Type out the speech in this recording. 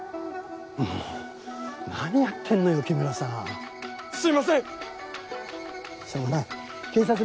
もう何やってんのよ木村さんすいません！